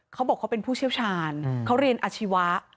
เขาบอกเขาเป็นผู้เชี่ยวชาญเขาเรียนอาชีวะ